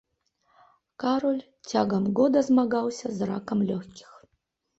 Кароль цягам года змагаўся з ракам лёгкіх.